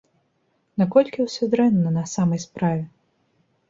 Наколькі ўсё дрэнна, на самай справе?